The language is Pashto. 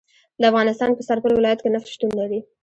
د افغانستان په سرپل ولایت کې نفت شتون لري